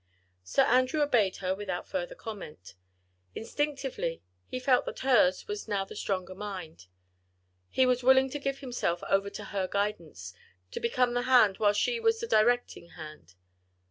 Sir Andrew obeyed her without further comment. Instinctively he felt that hers now was the stronger mind; he was willing to give himself over to her guidance, to become the hand, whilst she was the directing head.